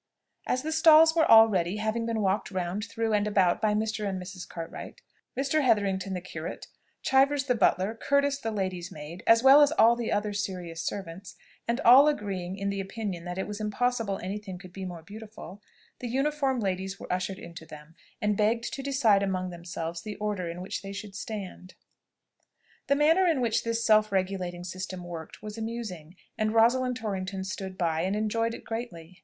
As the stalls were all ready, having been walked round, through, and about, by Mr. and Mrs. Cartwright, Mr. Hetherington the curate, Chivers the butler, Curtis the lady's maid, as well as all the other serious servants, and all agreeing in the opinion that it was impossible any thing could be more beautiful, the uniform ladies were ushered into them, and begged to decide among themselves the order in which they should stand. The manner in which this self regulating system worked was amusing, and Rosalind Torrington stood by, and enjoyed it greatly.